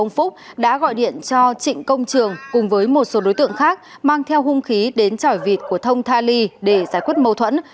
ông phúc đã gọi điện cho trịnh công trường cùng với một số đối tượng khác mang theo hung khí đến tròi vịt của thông than ly để giải quyết mâu thuẫn